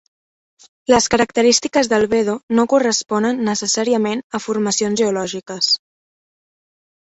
Les característiques d'albedo no corresponen necessàriament a formacions geològiques.